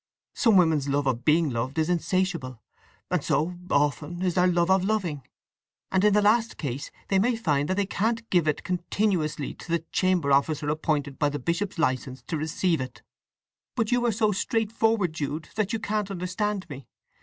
Some women's love of being loved is insatiable; and so, often, is their love of loving; and in the last case they may find that they can't give it continuously to the chamber officer appointed by the bishop's licence to receive it. But you are so straightforward, Jude, that you can't understand me!